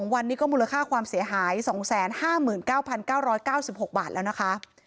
วันนี้ก็มูลค่าความเสียหาย๒๕๙๙๙๖บาทแล้วนะคะ